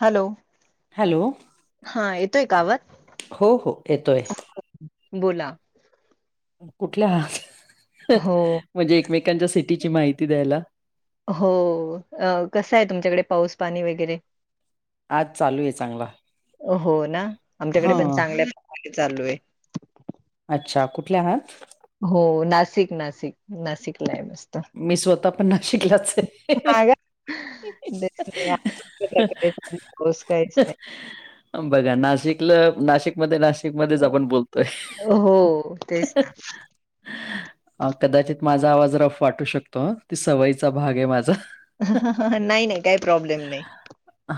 Hello. Hello हा येतोय का आवाज? हो, हो. येतोय. बोला. कुठल्या आहात? हो म्हणजे एकमेकांच्या सिटीची माहिती द्यायला. हो. कसंय, तुमच्याकडे पाऊस- पाणी वगैरे? आज चालू आहे चांगला हो, ना. हा आमच्याकडे पण चांगल्या [unintelligible] चालूय. अच्छा. कुठल्या आहात? हो. नाशिक- नाशिक, नाशिकलाय मी. मी स्वतः पण नाशिकलाचय. [unintelligible] काय गं? तेच नाही आमच्याकडे प्रकारे चालू आहे, पाऊस काहीच नाही. [unintelligible] बघा, नाशिकल- नाशिक मध्ये, नाशिक मध्येच आपण बोलतोय. हो तेच [unintelligible] कदाचित, माझा आवाज रफ वाटू शकतो. ती सवयीचा भागय माझा. ह, ह, ह, ह. नाही- नाही, काही प्रॉब्लेम नाही.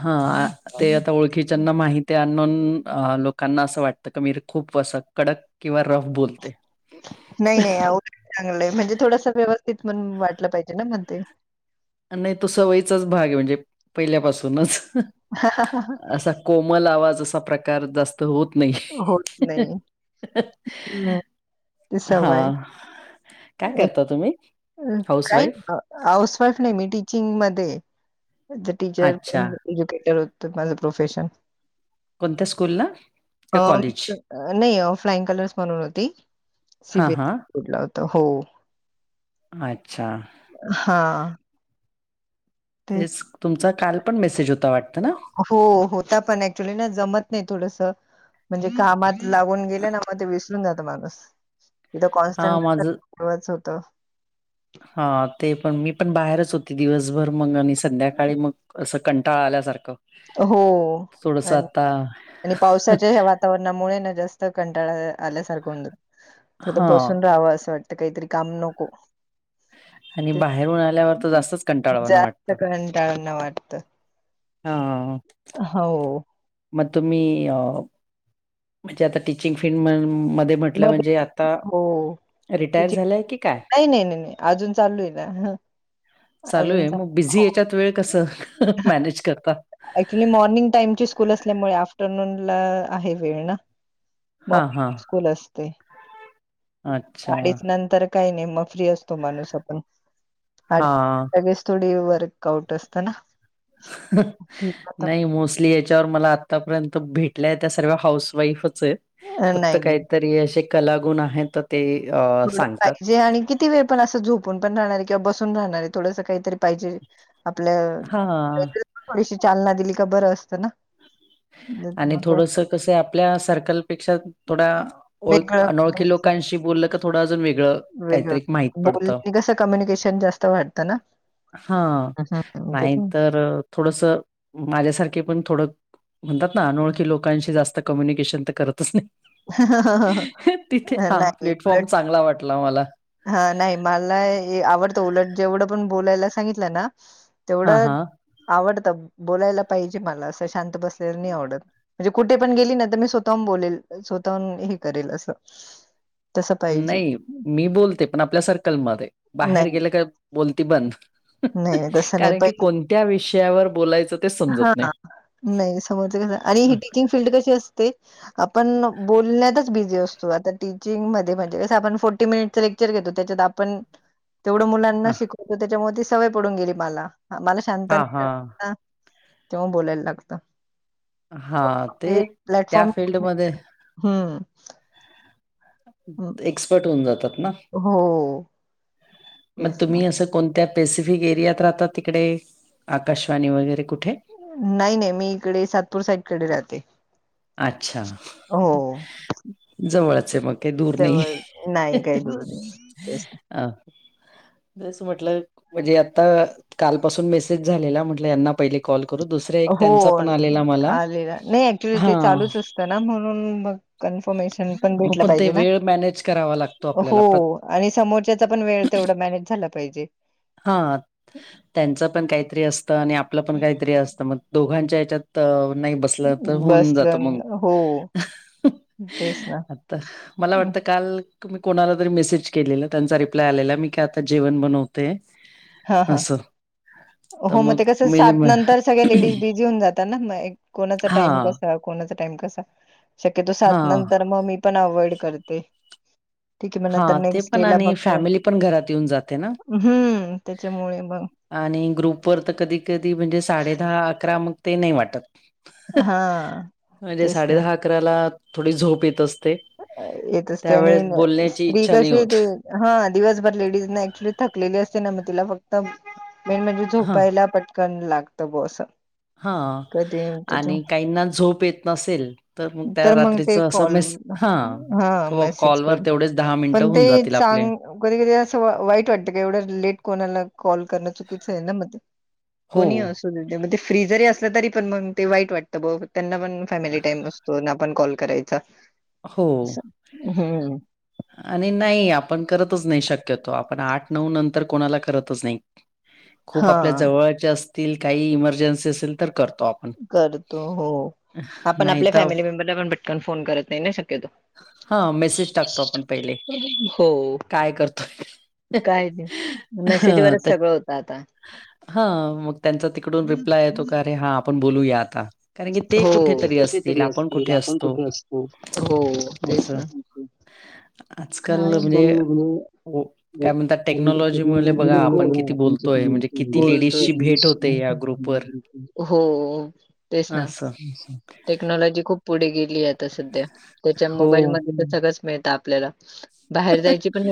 हं आ. ते आता ओळखीच्याना माहितीय. अननोन अ लोकांना असं वाटतं, क मी र खूप वस कडक किंवा रफ बोलते. नाही - नाही अव चांगलंय. म्हणजे थोडासा व्यवस्थित पण वाटलं पाहिजे ना म्हणते. नाही तो सवयीचाच भागय. म्हणजे पहिल्यापासूनच. ह ह ह ह. असा कोमल आवाज असा प्रकार जास्त तर होत नाही. होत नाही. हं, [unintelligible] हा. काय? हाऊसवाईफ? हाऊसवाईफ नाही मी टिचींगमध्येय टीचर अच्छा. एज्युकेटेड होत माझ प्रोफेशन. कोणत्या, स्कूलला? का अ कॉलेज? नाही, फ्लाईंग कलर्स, म्हणून होती. हा, हां. कुठला होता? हो. अच्छा. हां. ते तेच. तुमचा, काल पण मेसेज होता वाटतं ना? हो. होता पण ऍक्च्युली ना, जमत नाही थोडसं. म्हणजे कामात लागून गेले ना. म ते विसरून जातं माणूस. इथं, कॉन्स्टटच हां, माझं ठेवायचं होत. हा, ते पण. मी पण बाहेरच होती, दिवसभर. मग आणि संध्याकाळी मग असं कंटाळा आल्यासारखं. हो, थोडस अन्- आता आणि पावसाच्या ह्या वातावरणामुळे ना जास्त कंटाळा आल्यासारखं होऊन जात- फत हा बसून राहावं असं वाटतं, काहीतरी काम नको. आणि ते बाहेरून आल्यावर तर जास्तच कंटाळावाण जास्त वाटत. कंटाळना वाटतं. हं. हो. मग तुम्ही अ.. म्हणजे आता टीचिंग फील्ड म् मध्ये- म्हटलं म्हणजे आता हो. रिटायर तिची झालाय की काय? नाही, नाही, नाही, नाही, अजून चालू आहे ना. चालू आहे मग, बिझी याच्यात वेळ कस मॅनेज करता? ऍक्च्युली मॉर्निंग टाइम ची स्कूल असल्यामुळे आफ्टरनून ला आहे वेळ ना. म हा हा [inaudible] स्कूल असते अच्छा अडीच नंतर काही नाही मग फ्री असतो माणूस आपण. हां. सगळेच थोडी वर्क आउट असत ना? फ्री होतं. नाही मोस्टली याच्यावर मला आ- आतापर्यंत भेटल्या, त्या सर्व हाऊस वाईफच आहेत, अ, फक्त नाही, नाही. काहीतरी अशे- कलागुण आहेत तर ते अ सांगतात. जे आणि कि- किती वेळ पण असं झोपून पण राहणार किंवा बसून राहणार आहे, थोडसं काहीतरी पाहिजे. आपल्या हां [inaudible] थोडीशी चालना दिली का बर असतं ना. नाही तर आणि मग काय थोडस कसं आहे, आपल्या सर्कलपेक्षा थोडा- ओळख् वेगळं अनोळखी लोकांशी बोललं का थोडं अजुन वेगळं- वेगळ. काहीतरी माहीत पडतं. बोलण्याने कसं कम्युनिकेशन जास्त वाटतं ना? हां, हं, हं. ते नाही तर थोडस माझ्यासारखे पण थोडं- म्हणतात ना, अनोळखी लोकांशी जास्त कम्युनिकेशन तर करतच नाही. तिथे अ, हा, प्लेटफॉर्म चांगला वाटला मला. हां, नाही मला हे आवडतं, उलट जेवढं पण बोलायला सांगितलं ना- हां, तेवढं हां. आवडतं बोलायला पाहिजे मला, असं शांत बसलेल नाही आवडत. म्हणजे कुठे पण गेली ना, तर मी स्वतःहून बोलेल स्वतःहून हे करेल असं. [inaudible] तसं पाहिजे नाही, मी बोलते, पण आपल्या सर्कलमध्ये बाहेर नाही गेलं का बोलती बंद. नाही तसं नाही कारण की, कोणत्या विषयावर बोलायचं- ते हां, समजत नाही. हां, नाही समोरच कस आणि अ, ही टीचिंग फील्ड कशी असते- आपण बोलण्यातच बिझी असतो, आता टीचिंग मध्ये म्हणजे कस आपन फोर्टी मिनिटच लेक्चर घेतो त्याच्यात आप- पण तेवढ मुलांना हां, शिकवतो, त्याच्यामुळे ती सवय पडून गेली मला, मला- हां हां. तेव बोलायला लागत. हा तेच त्या प्लॅटफॉर्म फिल्डमध्ये - हम्म. एक्सपर्ट होऊन जातात ना. हो. मग तेच ना तुम्ही असं कोणत्या पेसिफिक एरियात राहता तिकडे, आकाशवाणी वगैरे कुठे? नाही, नाही, मी इकडे सातपूर साईडकडे राहते. अच्छा, हो जवळच ये मग. काही दूर जवळ नाहीये. नाही काही दि ते [unintelligible] अ जस म्हटलं- म्हणजे आता कालपासून मेसेज झालेला, म्हटलं यांना पहिले कॉल करू दुस- हो, आलेला नाही ऍक्च्युली हा ते चालूच असतं ना म्हणून मग- कन्फर्मेशन पण हो भेटलं ते पाहिजे ना, वेळ मॅनेज करावा लागतो हो. आपल्याला प्र आणि समोरच्याचा पण वेळ तेवढा मॅनेज झाला पाहिजे. हा त्यांचं पण काहीतरी असतं आणि आपलं पण काहीतरी असतं मग दोघांच्या ह्याच्यात. तर नाही बसलं तर होऊन जात बसलं मग हो तेच ना आता मला वाटतं काल. मी कोणाला तरी मेसेज केलेला त्यांचा रिप्लाय आलेला मी काी आता जेवण बनवते. हा हा असं तर हो मग ते कस मी सात नंतर सगळ्या लेडीज बिझी होऊन जातात ना मग कोणाचा हा टाइम कसा कोणाचा टाइम कसा? शक्यतो सात हा नंतर मग मी पण अव्हइड करते. ठीक आहे मग हा नंतर ते नेक्स्ट पण डे ला आणि बघतोय फॅमिली पण घरात येऊन जाते ना. हम्म त्याच्यामुळे मग आणि ग्रुप वर तर कधी कधी म्हणजे साडे दहा अ नाही वा हा तेच ना म्हण. कला थोडी झोप येत असते. येतच त्यानी त्यावेळेस बोलण्याची स्त्री इच्छा नाही कशी? होत. हा दिवसभर लेडीज ऍक्च्युली थलेली असते ना मग तिला फक्त मेन म्हणजे हां, झोपायला पटकन लागतं बसं. हा. आणि काहीना झोप येत नसेल तर मग त्या मग रात्रीच ते असं कॉल मेस हां, हा किंवा मेसेज कॉलवर कर तेवढेच मिनिटं पण ते होऊन जातील आपले. चांग कधी कधी असं वाईट वाटतं का एवढं लेट कोणाला कॉल करणं चुकीचं आहे ना मध्ये हो. ते फ्रीजरी असल्या तरी पण मग ते वाईट वाटत. ब त्यांना पण फॅमिली टाइम असतो ना पण कॉल करायचा. हो. असं हम्म आणि नाही आपण करतच नाही शक्यतो आपण आठ नऊ नंतर कोणाला करतच नाही. खूप हा आपल्या जवळचे असतील काही इमर्जन्सी असेल तर करतो आप करतो हो आपण नाही आपल्या तर फॅमिली मेंबरला पण पटकन फोन करत नाही ना शक्यतो. हा मेसेज टाकतो आपण पहिले हो काय करतोय. काय नाही हा मेसेजवररच तर सगळं होतं आता हा मग त्यांचा तिकडून रिप्लाय येतो का अरे हा आपण बोलूया आता कारण की ते ती कुठेतरी असतील आपण कुठे आपण असतो. कुठे हो तेच ना असं आजकाल काय? म्हणजे ओ काय म्हणतात कारण मुळे टेक्नॉलॉजी बघा आपण किती आपि बोलतोय म्हणजे किती बोलतो. लेडीजची भेट होते या ग्रुपवर. हो. तेच ना असं टेक्नॉलॉजी खूप पुढे गेली आहे. ध्या त्या मोबाईल हो. सगळं मित आपल्याला बाहेर.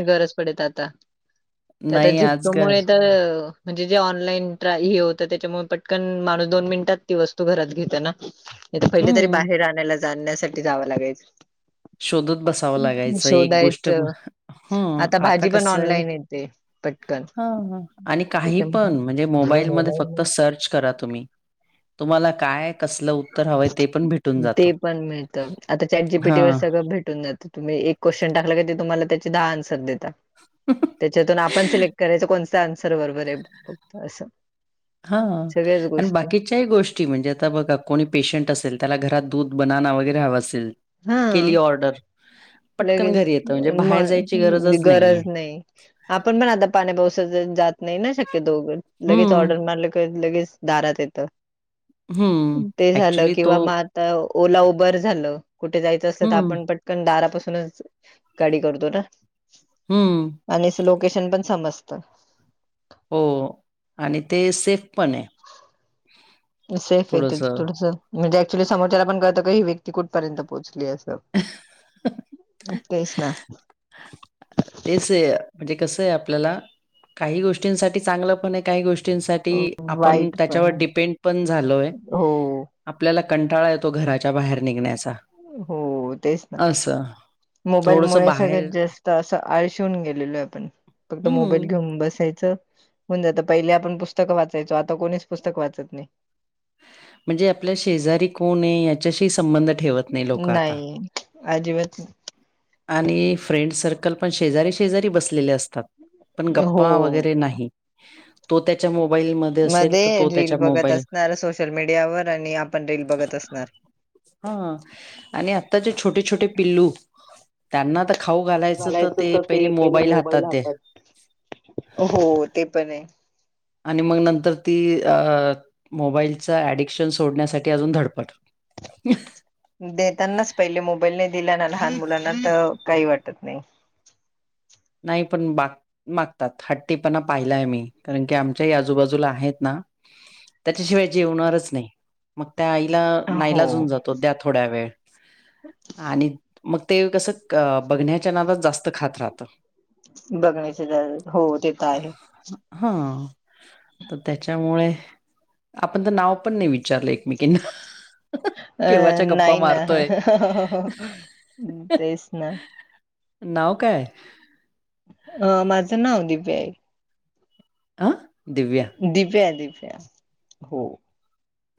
गरज पडे आता तर आता नाही आजकाल झिप्पोमुळे तर म्हणजे जे ऑनलाईन ट्रा हे होतं त्याच्यामुळे पटकन माणूस दोन मिनिटात ती बसत. तू घरात घेत नाथ पहिले तरी हं. बाहेर आणायला जाण्यासाठी जावं लागायच. शोधत बसावं लागायचं एक गोष्ट शोधायचं हम् आता भाजी पण कसं आहे. ऑनलाईन येते पटकन ह आणि काही पण म्हणजे मोबाईल म फक्त सर्च करत. तुम् तुम्हाला काय? कसलं उत्तर हवं ते पण भेटून जातो ते पण मिळतं. आता चॅट हा. जीपीटी वर भेटून जात तुम्ही एक क्श्चन टाकलं क तु्हाला त्याची दहा आन्र देत. त्याच्यातून आपण सिलेक्ट करायच कोण? आन्सर वरोबरे बघत असं सगळ्याच गोष्टी ही गोष्टी म्हणजे आता बघा कोणी पेशंट असेल त्याला घरात दूध बना वगैरे हवा असेल. हा केली ऑर्डर पटकन लगेच घरी येतं म्हणजे बाहेर जायची म गरजच नाहीये. गरज नाही. आपण पण आता पाणी बस जात नाही ना शक्य दोघं लगेच हं, ऑर्डर मारलं क लगेच दारात येत हं. ते झालं ॲक्चुअली तो किंवा मग आता ओला उबर झालं. कुठे जायचं असल तर हं, आपण पटकन दारापासूनच गाडी करतो ना हम्म आणि लोकेशन पण समजत. हो आणि ते सेफ पण आहे. सेफ येत थोडंसं. थोडसं म्हणजे ऍक्च्युली समोरला आपण कळतं का ही व्यक्ती कुठपर्यंत पोहोचली असं ह केष ना तेच आहे म्हणजे कस आहे आपल्याला काही गोष्टींसाठी चांगलं पण आहे काही गोष्टी आपण वाईट पण त्याच्यावर आहे. डिपेंड पण झालोय. हो आपल्याला कंटाळा येतो घराच्या बाहेर निघण्याचा. हो तेच ना असं. थोडंसं मोबाईलमुळे बाहेर सगळ्यात जास्त असं आळशवून गेलेलो आहे आपण फक्त मोबाईल हं, घेऊन बसायचं. होन जात पहिले आपण पुस्तक वाचायचो आता कोणीच पुस्तक वाचत नाही. म्हणजे आपल्या शेजारी कोण आहे याच्याशी संबंध ठेवत नाही लोकं आता. नाही आजिबात आणि फ्रेंड सर्कल पण शेजारी शेजारी बसलेले असतात. पण नाही. गप्पा हो वगैरे नाही. तो त्याच्या मोबाईलमध्ये असेल तर मध्ये तो रील त्याच्या बघत मोबाईल असणार सोशल मीडियावर आणि आपण रील बघत अस सर हा आणि आत्ता जे छोटे छोटे पिल्लू त्यांना तर खाऊ घ घालायचं तर ते पहिले मोबाईल दे हातात हो ते पण आहे. आणि मग नंतर ती अ मोबाईलचा ऍडिक्शन सोडण्यासाठी अजून धडपड. ह देतानाच पहिले मोबाईल नाही दिला ना लहान मुलांना तर काही वाटत नाही. नाही पण बाकी मागतात हट्टीपणा पाहिलाय मी कारण की आमच्याही आजूबाजूला आहेत ना. त्याच्याशिवाय जेवणारच नाही मग त्या आईला हो नाहीलाजून जातो द्या थोड्या वेळ आणि मग ते कसं बघण्याच्या नादात जास्त खात राहतात. बघण्या हो ते प हा. तर त्याच्यामुळे आपण तर नाव पण नाही विचारलं एकमेकींना अ केव्हाच्या गप्पा नाही [unintelligible] ना मारतोय. तेच ना नाव काय? अ माझं नाव दिव्या आहे. अ? दिव्या. दिव्या दिव्या हो.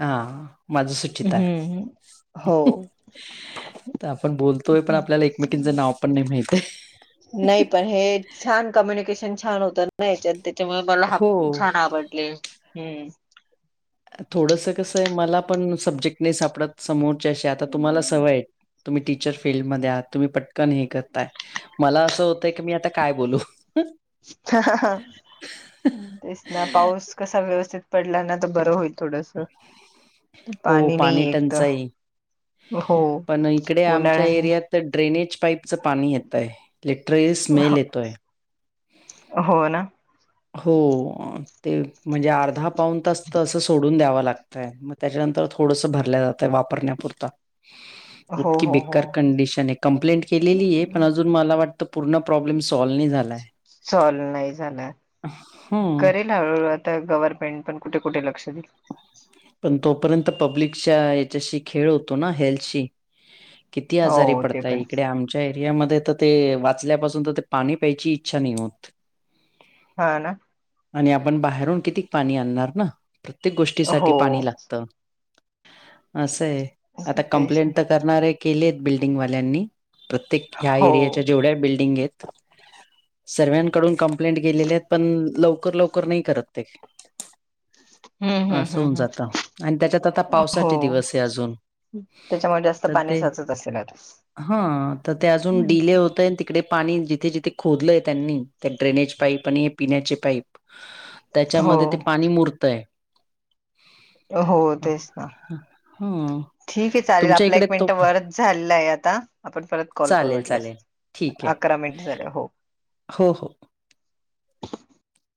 हा माझं सुचिता आहे. हम्म हो तर आपण बोलतोय पण आपल्याला एकमेकीचं नाव पण नाही माहती. नाही पण हे छान कम्युनिकेशन छान होतं नाही त्याच्यामुळे मला हो. छान आवडत. हम्म. थोडसं कसं आहे मला पण सब्जेक्टने सापडत समोरचेशी आता तुम्हाला सवय आहे. तुम्ही टीचर फिल्ड मध्ये आ तुम्ही पटकान हे करताय. मला असं होतंय की मी आता काय बोलू. तेच ना पाऊस कसा व्यवस्थित पडला ना तर बर होईल. थोडंसं. हो, पाणी नाही एक तर टंचाई. हो होणा तर ड्रेनेज पाईपचं पाणी येत आहे लिटर स्मेल येतोय. हो ना. हो ते म्हणजे अर्धा पाऊन तास तर असं सोडून द्याव लागतं. मग त्याच्यानंतर थोडस भरल्या जातय वापरण्यापुरता. हो इतकी हो बे हो कंडिशन आहे कंप्लेंट केलेली आहे पण अजून. मला वाटतं पूर्ण प्रॉब्लेम सॉल्व्ह नाही झाला. चल नाही झालं हमाम. ळू आता गव्हर्नमेंट पण कुठे कुठे लक्ष दिलं. पण तोपर्यंत पब्लिकच्या याच्याशी खेळ होतो ना हेल्थशी. किती आजारी हो ते पडताय पण इकडे आम. च्या एरियामध्ये तर ते वाचल्यापासून तर ते पाणी प्यायची इच्छा नाही होत. हा ना. आणि आपण बाहेरून किती पाणी आणणार ना. प्रत्येक गोष्टीसाठी हो पाणी लागत असंय. आता तेच कंप्लेंट तर ना. करणार आहे केलीत बिल्डिंगवाल्यांनी. प्रत्येक ह्या हो एरियाच्या जेवढ्या बिल्डिंग आहेत सर्व्यांकडून क. ्लेंट गेलेले आहेत पण लवकर लवकर नाही करत ते. हम्म ह हम्म अस होऊन हम्म हम् जात आणि त्याच्यात आता हो पावसाचे दिवस आहे अजून. त्याच्यामुळे जास्त तर पाणी ते साचत असेल हा तर ते अजून आता डिले होतय. इडे पाणी जिथे जिथे खोदलंय त्यांनी त्या ड्रेनेज पाईप आणि हे पिण्याचे पाप. हो त्याच्यामध्ये ते पाणी मुरतय. हो तेच ना. ह ठीक आहे चालेल तुमच्या आपला इकडे एक तो मिनटं वरच झालेलं आहे आता आपण परत कॉल करू चालेल वाटलेस. चालेल ठीक आहे अकरा मिनिट झाले हो. हो हो.